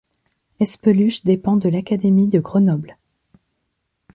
Espeluche dépend de l'académie de Grenoble.